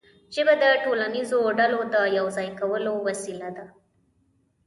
ژبه د ټولنیزو ډلو د یو ځای کولو وسیله ده.